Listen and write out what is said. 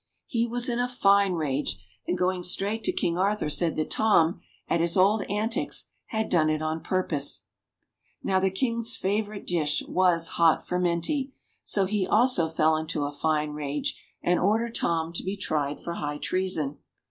He was in a fine rage, and going straight to King Arthur said that Tom, at his old antics, had done it on purpose. Now the King's favourite dish was hot furmenty ; so he also fell into a fine rage and ordered Tom to be tried for high treason.